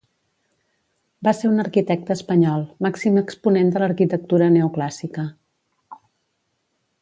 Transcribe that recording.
Va ser un arquitecte espanyol, màxim exponent de l'arquitectura neoclàssica.